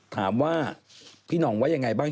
ถามว่าพี่นองไว้ยังไงบ้าง